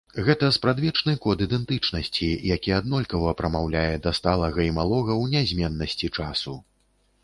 Гэта спрадвечны код ідэнтычнасці, які аднолькава прамаўляе да сталага і малога ў нязменнасці часу.